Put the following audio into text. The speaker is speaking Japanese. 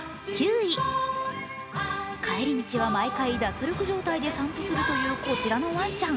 帰り道は毎回、脱力状態で散歩するというこちらのワンちゃん。